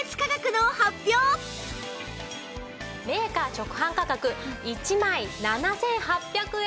メーカー直販価格１枚７８００円のところ